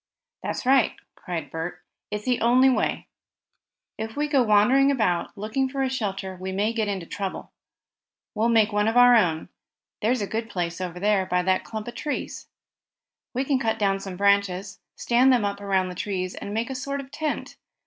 "That's right," cried Bert. "It's the only way. If we go wandering about, looking for a shelter, we may get into trouble. We'll make one of our own. There's a good place, over by that clump of trees. We can cut down some branches, stand them up around the trees and make a sort of tent.